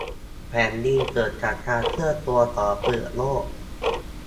แผ่นดินเกิดจากการเคลื่อนตัวของเปลือกโลก